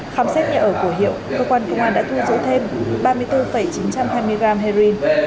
khám xét nhà ở của hiệu cơ quan công an đã thu giữ thêm ba mươi bốn chín trăm hai mươi gram heroin